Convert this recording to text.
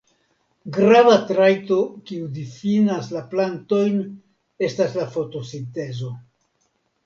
Grava trajto kiu difinas la plantojn estas la fotosintezo.